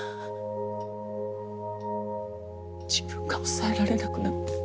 自分が抑えられなくなって。